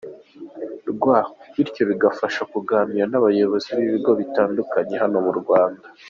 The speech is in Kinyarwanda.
rw, bityo bikabafasha kuganira n’abayobozi b’ibigo bitandukanye hano mu Rwanda.